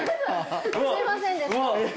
すいませんでした。